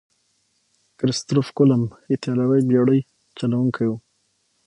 کرستف کولمب ایتالوي بیړۍ چلوونکی وو.